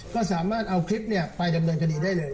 ก็สามารถเอาคลิปไปดำเนินคดีได้เลย